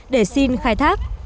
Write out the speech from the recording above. để xin khai thác